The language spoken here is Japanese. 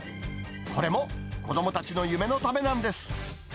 これも子どもたちの夢のためなんです。